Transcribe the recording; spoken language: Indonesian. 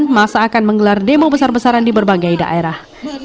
keputusan ini akan menjadi keputusan yang lebih besar besaran di berbagai daerah